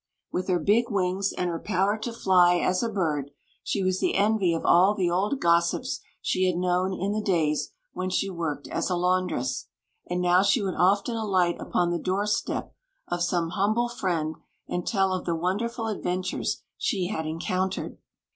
With her big wings and her power to fly as a bird, she was the envy of all the old gossips she had known in the days when she worked as a laundress; and now she would often alight upon the door step of some humble friend and tell of the wonderful adven tures she had encountered.